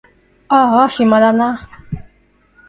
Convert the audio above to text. あーあ暇だな